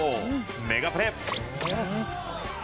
メガプレ！